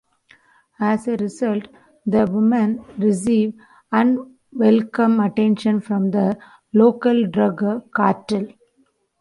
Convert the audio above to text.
As a result, the women receive unwelcome attention from the local drug cartel.